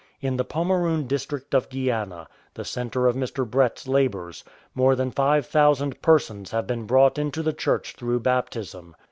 In the Pomeroon district of Guiana, the centre of Mr. Brett's labours, more than five thousand persons have been brought into the Church through baptism.